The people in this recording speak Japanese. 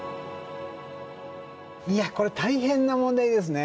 いやこれ大変な問題ですね。